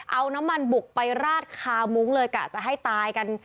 เอาน้ำมันบุกไปราดคามุ้งเลยกะจะให้ตายกัน